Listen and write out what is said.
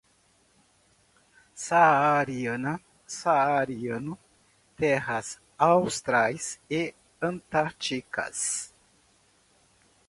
Saariana, saariano, terras austrais e antárticas